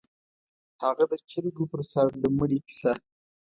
_هغه د چرګو پر سر د مړي کيسه؟